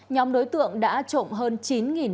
nhóm đối tượng đã trộn hơn chín m ba